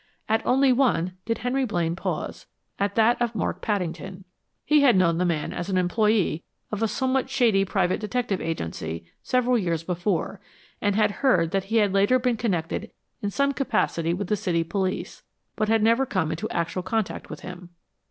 At only one did Henry Blaine pause at that of Mark Paddington. He had known the man as an employee of a somewhat shady private detective agency several years before and had heard that he had later been connected in some capacity with the city police, but had never come into actual contact with him.